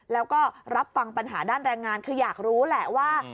แล้วก็รับฟังปัญหาด้านแรงงานคืออยากรู้แหละว่า